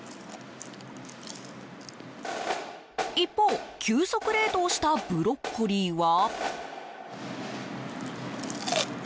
一方急速冷凍したブロッコリーは。